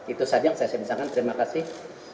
itu saja yang saya sebisakan terima kasih